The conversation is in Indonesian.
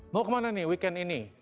mau kemana nih weekend ini